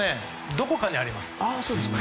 どこかであります。